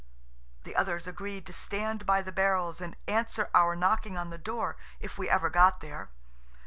The others agreed to stand by the barrels and answer our knocking on the door if we ever got there.